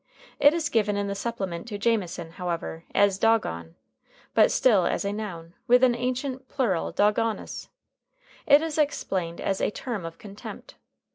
It is given in the supplement to Jamieson, however, as "dogon," but still as a noun, with an ancient plural dogonis. It is explained as "a term of contempt."